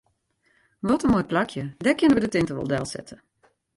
Wat in moai plakje, dêr kinne wy de tinte wol delsette.